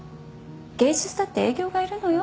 芸術だって営業がいるのよ。